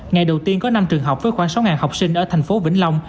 ngày đầu tiên có năm trường học với khoảng sáu học sinh ở thành phố vĩnh long